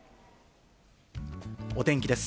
お天気です。